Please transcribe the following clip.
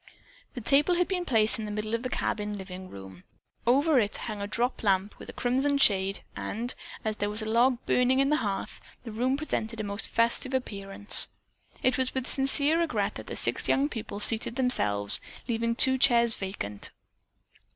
The table had been placed in the middle of the cabin living room. Over it hung a drop lamp with a crimson shade and, as there was a log burning on the hearth, the room presented a most festive appearance. It was with sincere regret that the six young people seated themselves, leaving two chairs vacant.